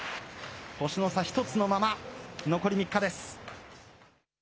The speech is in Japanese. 星の差１つのまま、残り３日です。